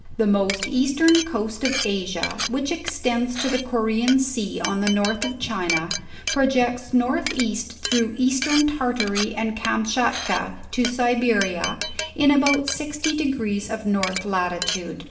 The most eastern coast of Asia which extends to the Korean Sea on the north of China, projects north east through eastern Tartary and Kain schatka to Siberia, in about sixty degrees of north latitude.